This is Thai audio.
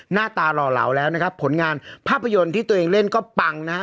หน้าตาหล่อเหลาแล้วนะครับผลงานภาพยนตร์ที่ตัวเองเล่นก็ปังนะฮะ